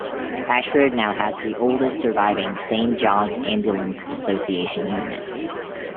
Ashford now has the oldest surviving Saint John's Ambulance Association unit.